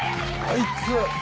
あいつ。